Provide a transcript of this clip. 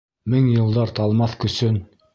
Мең йылдар талмаҫ көсөн...